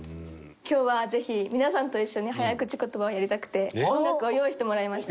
今日はぜひ皆さんと一緒に早口ことばをやりたくて音楽を用意してもらいました。